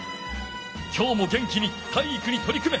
きょうも元気に体育にとり組め！